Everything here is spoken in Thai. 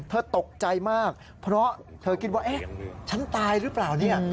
เธอตกใจมากเพราะเธอกินว่าฉันตายหรือเปล่า